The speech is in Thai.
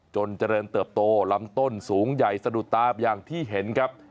เจริญเติบโตลำต้นสูงใหญ่สะดุดตาอย่างที่เห็นครับ